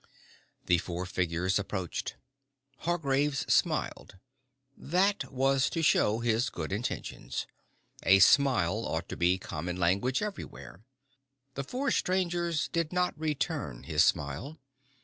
The four figures approached. Hargraves smiled. That was to show his good intentions. A smile ought to be common language everywhere. The four strangers did not return his smile.